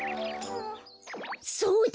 そうだ！